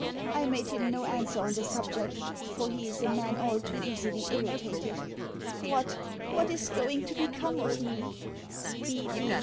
I made him no answer on the subject, for he is a man all too easily irritated. What, what is going to become of me?